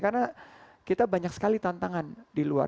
karena kita banyak sekali tantangan di luar